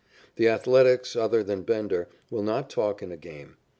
The Athletics, other than Bender, will not talk in a game.